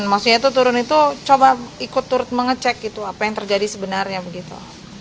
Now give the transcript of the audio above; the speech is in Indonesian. maksudnya itu turun itu coba ikut turut mengecek gitu apa yang terjadi sebenarnya begitu